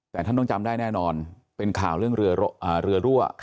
แต่ท่านต้องจำได้แน่นอนเป็นข่าวเรื่องเรือรั่ว